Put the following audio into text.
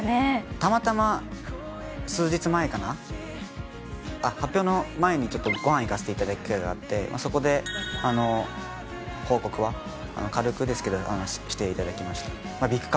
たまたま数日前、発表の前に御飯に行かせていただく機会があって、そこで報告は軽くですけどしていただきました。